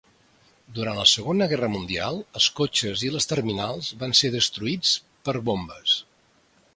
Durant la Segona Guerra Mundial els cotxes i les terminals van ser destruïts per bombes.